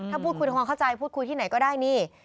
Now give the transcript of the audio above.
ถ้าพูดคุยทำความเข้าใจพูดคุยที่ไหนก็ได้นี่